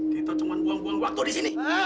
kita cuma buang buang waktu di sini